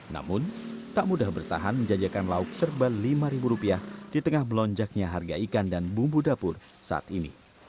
namun tak mudah bertahan menjajakan lauk serba lima rupiah di tengah melonjaknya harga ikan dan bumbu dapur saat ini